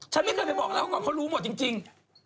ฉันไม่เคยไปบอกแล้วก่อนเขารู้หมดจริง